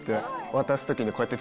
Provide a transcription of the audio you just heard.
渡す時に。